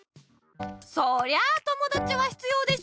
そりゃあともだちは必要でしょ！